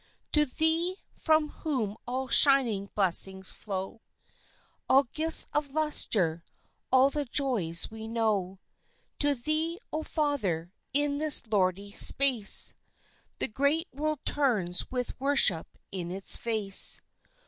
To Thee, from whom all shining blessings flow, All gifts of lustre, all the joys we know, To Thee, O Father, in this lordly space, The great world turns with worship in its face.